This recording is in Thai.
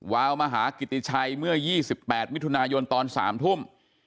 วาวมาหากิติชัยเมื่อยี่สิบแปดมิถุนายนตอนสามทุ่ม